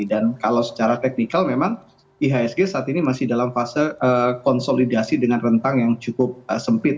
dan kalau secara teknikal memang ihsg saat ini masih dalam fase konsolidasi dengan rentang yang cukup sempit